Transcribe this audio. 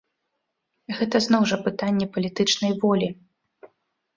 Гэта зноў жа пытанне палітычнай волі.